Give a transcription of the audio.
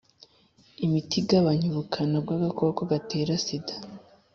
imiti igabanya ubukana bw agakoko gatera sida